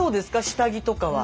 下着とかは？